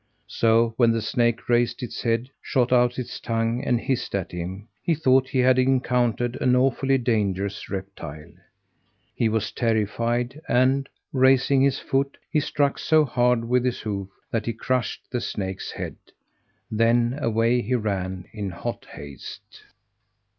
So, when the snake raised its head, shot out its tongue and hissed at him, he thought he had encountered an awfully dangerous reptile. He was terrified and, raising his foot, he struck so hard with his hoof that he crushed the snake's head. Then, away he ran in hot haste!